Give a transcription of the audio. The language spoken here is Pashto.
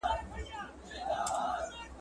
ټولنيزې اړيکې لا پسې پياوړي کيږي.